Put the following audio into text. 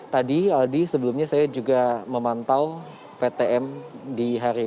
tadi aldi sebelumnya saya juga memantau ptm di hari